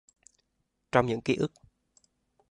Trong những kí ức